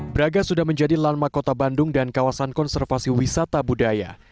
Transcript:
braga sudah menjadi lama kota bandung dan kawasan konservasi wisata budaya